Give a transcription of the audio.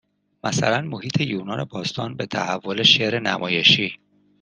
مثلاً محیط یونان باستان به تحول شعر نمایشی